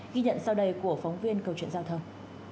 ghi nhận sau đây của phóng viên câu chuyện giao thông